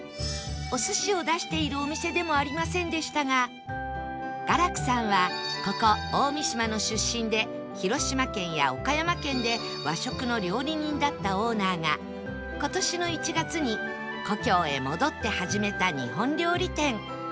お寿司を出しているお店でもありませんでしたが雅楽さんはここ大三島の出身で広島県や岡山県で和食の料理人だったオーナーが今年の１月に故郷へ戻って始めた日本料理店